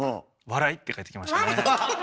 「笑」って返ってきましたね。